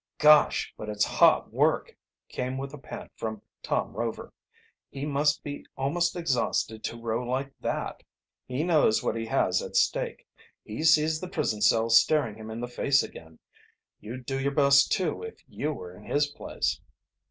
"Gosh, but it's hot work!" came with a pant from Tom Rover. "He must be almost exhausted to row like that." "He knows what he has at stake. He sees the prison cell staring him in the face again. You'd do your best, too, if you were in his place."